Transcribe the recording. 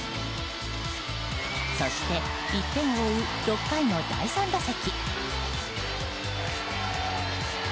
そして、１点を追う６回の第３打席。